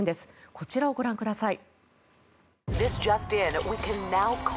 こちらをご覧ください。